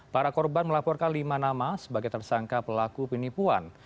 para korban melaporkan lima nama sebagai tersangka pelaku penipuan